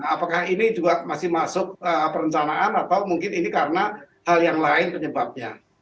apakah ini juga masih masuk perencanaan atau mungkin ini karena hal yang lain penyebabnya